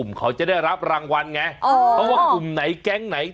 เพราะว่ากลุ่มไหนแก๊งไหน